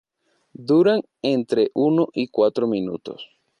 Duran entre uno y cuatro minutos.